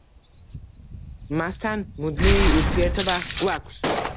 მასთან მუდმივი ურთიერთობა გვაქვს.